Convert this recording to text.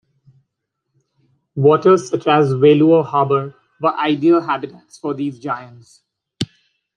Waters such as Wailuo Harbor were ideal habitats for these giants.